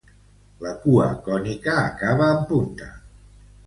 La cua cònica acaba en punta.